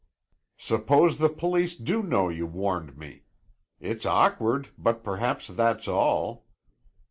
"Suppose the police do know you warned me? It's awkward, but perhaps that's all.